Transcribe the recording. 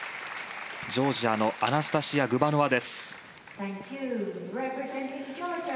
ジョージアのアナスタシヤ・グバノワです。